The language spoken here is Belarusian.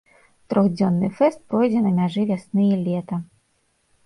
Трохдзённы фэст пройдзе на мяжы вясны і лета.